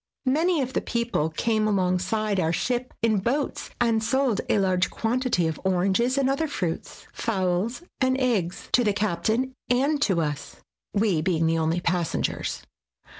Many of the people came alongside our ship in boats, and sold a large quantity of oranges and other fruits, fowls and eggs, to the captain and to us, we being the only passengers.